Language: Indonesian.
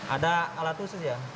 ada alat khusus ya